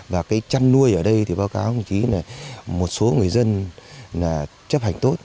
và cái chăn nuôi ở đây thì báo cáo công chí là một số người dân là chấp hành tốt